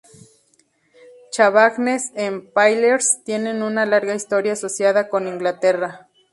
Chavagnes-en-Paillers tiene una larga historia asociada con Inglaterra.